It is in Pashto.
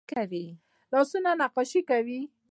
لاسونه نقاشي کوي